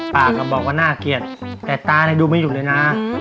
ปากก็บอกว่าน่าเกลียดแต่ตาดูไม่หยุดเลยนะ